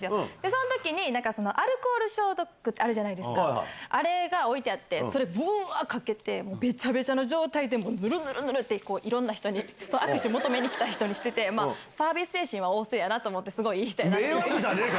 そのときに、アルコール消毒ってあるじゃないですか、あれが置いてあって、それ、ぶわーかけて、べちゃべちゃの状態で、もうぬるぬるぬるって、いろんな人に握手求めに来た人にしてて、サービス精神は旺盛やなと思って、すごいいい人やなって。